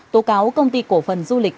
tố cáo công ty cổ phần du lịch